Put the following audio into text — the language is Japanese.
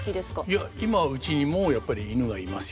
いや今うちにもやっぱり犬がいますよ。